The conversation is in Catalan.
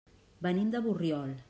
Venim de Borriol.